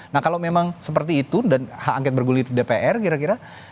nah kalau memang seperti itu dan hak angket bergulir dpr kira kira